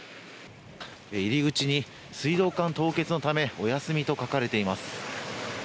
入り口に、水道管凍結のためお休みと書かれています。